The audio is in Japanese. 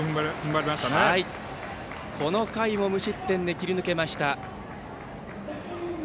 この回も無失点で切り抜けました。